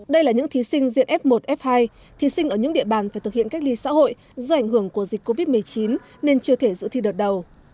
đây là những thí sinh diện f một f hai thí sinh ở những địa bàn phải thực hiện cách ly xã hội do ảnh hưởng của dịch covid một mươi chín nên chưa thể dự thi đợt đầu